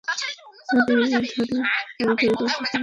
সারি ধরে বসা শিশুদের সামনে কমলা, লাল, নীল, সবুজ রঙা বাহারি কাগজ।